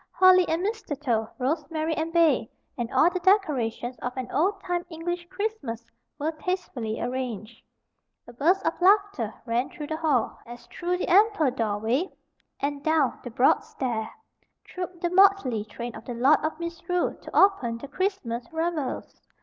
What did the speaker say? Holly and mistletoe, rosemary and bay, and all the decorations of an old time English Christmas were tastefully arranged. A burst of laughter ran through the hall, as through the ample doorway, and down the broad stair, trooped the Motley train of the Lord of Misrule to open the Christmas revels.